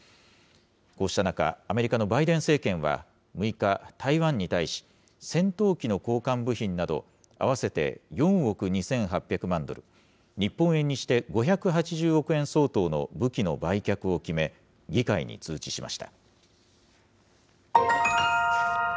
こうした中、アメリカのバイデン政権は６日、台湾に対し、戦闘機の交換部品など、合わせて４億２８００万ドル、日本円にして５８０億円相当の武器の売却を決め、議会に通知しました。